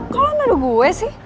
kau lo naluh gue sih